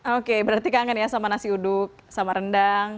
oke berarti kangen ya sama nasi uduk sama rendang